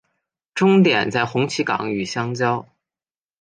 终点在红旗岗与相交。